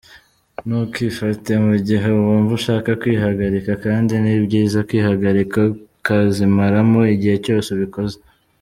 Ntukifate mu gihe wumva ushaka kwihagarika kandi ni byiza kwihagarika ukazimaramo igihe cyose ubikoze.